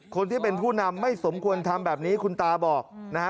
คนที่เป็นผู้นำไม่สมควรทำแบบนี้คุณตาบอกนะฮะ